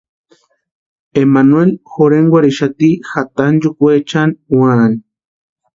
Emmanueli jorhenkwarhixati jatanchʼukwechani úani.